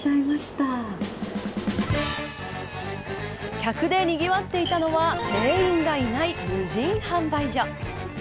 客でにぎわっていたのは店員がいない無人販売所。